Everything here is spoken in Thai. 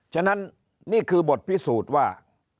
ฉะนั้นนี่คือบทพิสูจน์ว่า